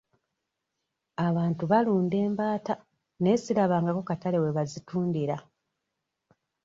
Abantu balunda embaata naye sirabangako katale we bazitundira.